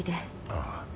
ああ。